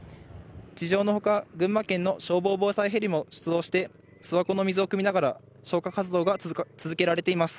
地上のほか、群馬県の消防防災ヘリも出動して、諏訪湖の水をくみながら消火活動が続けられています。